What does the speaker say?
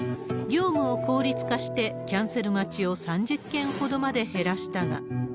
業務を効率化して、キャンセル待ちを３０件ほどまで減らしたが。